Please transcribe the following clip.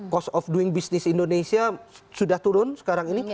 cost of doing business indonesia sudah turun sekarang ini